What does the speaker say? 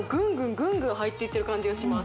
グングン入っていってる感じがします